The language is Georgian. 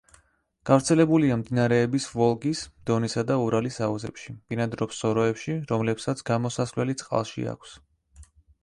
გავრცელებულია მდინარეების ვოლგის, დონისა და ურალის აუზებში, ბინადრობს სოროებში, რომლებსაც გამოსასვლელი წყალში აქვს.